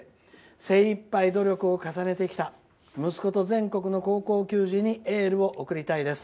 精いっぱい努力を重ねてきた息子と全国の高校球児にエールを送りたいです。